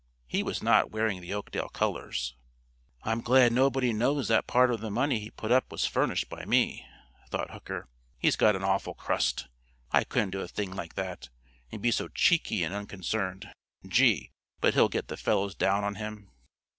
He was not wearing the Oakdale colors. "I'm glad nobody knows that part of the money he put up was furnished by me," thought Hooker. "He's got an awful crust. I couldn't do a thing like that, and be so cheeky and unconcerned. Gee! but he'll get the fellows down on him."